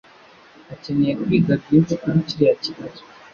akeneye kwiga byinshi kuri kiriya kibazo.